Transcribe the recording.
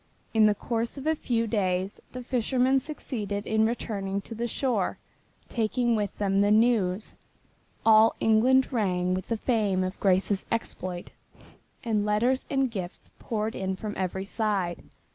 In the course of a few days the fishermen succeeded in returning to the shore, taking with them the news. All England rang with the fame of Grace's exploit, and letters and gifts poured in from every side.